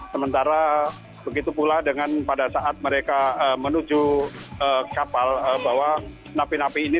sementara begitu pula dengan pada saat mereka menuju kapal bahwa napi napi ini